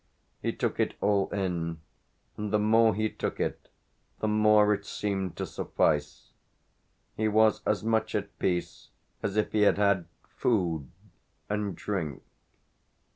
He took it all in, and the more he took it the more it seemed to suffice: he was as much at peace as if he had had food and drink.